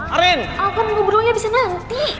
aku mau berbunuh bisa nanti